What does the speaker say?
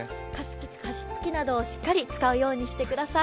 加湿器などをしっかり使うようにしてください。